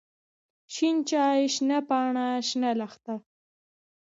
شين چای، شنه پاڼه، شنه لښته.